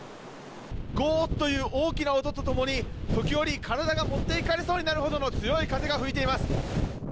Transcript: ごーっという大きな音とともに、時折、体が持っていかれそうになるほどの強い風が吹いています。